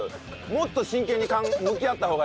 もっと真剣に向き合った方がいいよ。